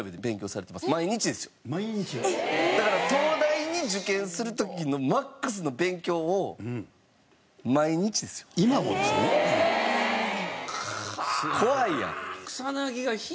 だから東大に受験する時のマックスの勉強を毎日ですよ。え！？怖いやろ？